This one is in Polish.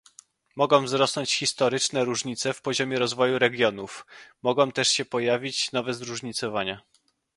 Mogą wzrosnąć historyczne różnice w poziomie rozwoju regionów, mogą też się pojawić nowe zróżnicowania